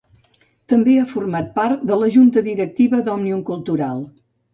També ha format part de la Junta Directiva d'Òmnium Cultural.